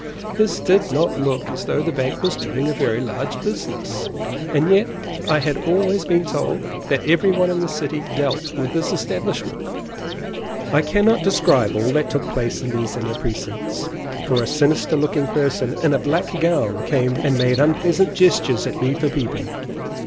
This did not look as though the bank was doing a very large business; and yet I had always been told that every one in the city dealt with this establishment. I cannot describe all that took place in these inner precincts, for a sinister looking person in a black gown came and made unpleasant gestures at me for peeping.